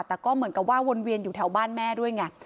แต่ก็เหมือนกับว่าวนเวียนอยู่แถวบ้านแม่ด้วยไง